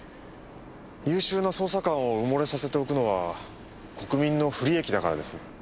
優秀な捜査官を埋もれさせておくのは国民の不利益だからです。